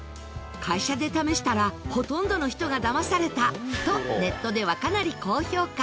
「会社で試したらほとんどの人が騙された」とネットではかなり高評価。